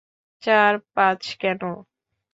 চার - পাঁচ কেন?